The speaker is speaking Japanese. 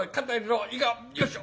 よいしょ！